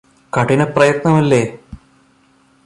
കഠിനപ്രയത്നം അല്ലേ